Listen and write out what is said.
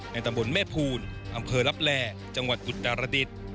ในตำบลเมภูนย์อำเภอลับแลจังหวัดอุตรดิต